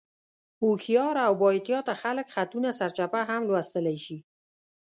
هوښیار او بااحتیاطه خلک خطونه سرچپه هم لوستلی شي.